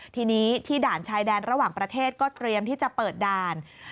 ทีนี้ที่ด่านชายแดนระหว่างประเทศก็เตรียมที่จะเปิดด่าน